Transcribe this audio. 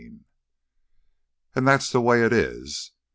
7 "... and that's the way it is."